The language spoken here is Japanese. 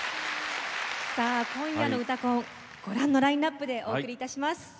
さあ今夜の「うたコン」ご覧のラインナップでお送りいたします。